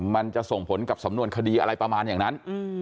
มันจะส่งผลกับสำนวนคดีอะไรประมาณอย่างนั้น